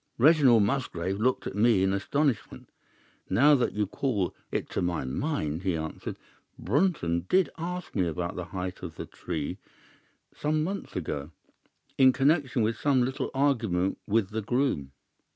"Reginald Musgrave looked at me in astonishment. 'Now that you call it to my mind,' he answered, 'Brunton did ask me about the height of the tree some months ago, in connection with some little argument with the groom.